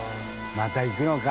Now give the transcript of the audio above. また行くのか。